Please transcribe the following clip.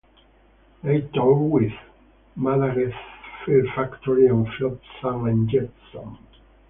They toured with Megadeth, Fear Factory, and Flotsam and Jetsam.